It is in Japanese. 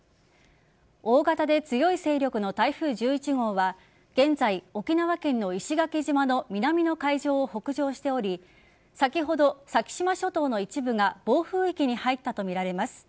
大型で強い勢力の台風１１号は現在、沖縄県の石垣島の南の海上を北上しており先ほど先島諸島の一部が暴風域に入ったとみられます。